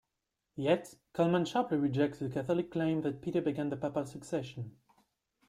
Yet, Cullmann sharply rejects the Catholic claim that Peter began the papal succession.